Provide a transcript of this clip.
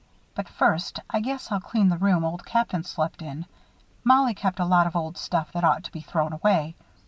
But first, I guess I'll clean the room Old Captain slept in. Mollie kept a lot of old stuff that ought to be thrown away.